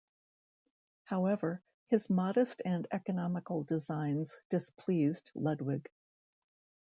However, his modest and economical designs displeased Ludwig.